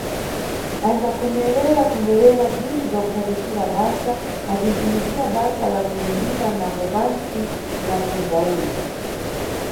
Anʼdzakhomererakhomerera bzwinthu bzwa kuphatirisira basa, acithumizira basa la kulindira, napo pantsi napo mʼdzawulu.